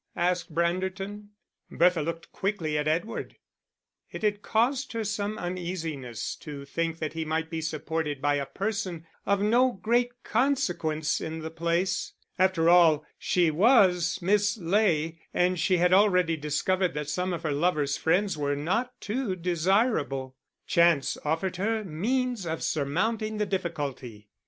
asked Branderton. Bertha looked quickly at Edward; it had caused her some uneasiness to think that he might be supported by a person of no great consequence in the place. After all she was Miss Ley; and she had already discovered that some of her lover's friends were not too desirable. Chance offered her means of surmounting the difficulty.